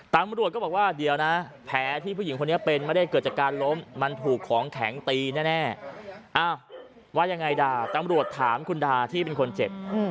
ตำรวจก็บอกว่าเดี๋ยวนะแผลที่ผู้หญิงคนนี้เป็นไม่ได้เกิดจากการล้มมันถูกของแข็งตีแน่อ้าวว่ายังไงดาตำรวจถามคุณดาที่เป็นคนเจ็บ